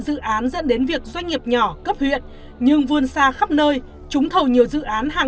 dự án dẫn đến việc doanh nghiệp nhỏ cấp huyện nhưng vươn xa khắp nơi trúng thầu nhiều dự án hàng